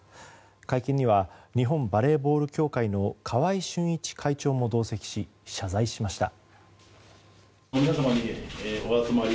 会見には日本バレーボール協会の川合俊一会長も同席し、謝罪しました。